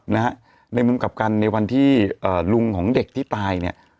นะฮะในมุมกลับกันในวันที่เอ่อลุงของเด็กที่ตายเนี่ย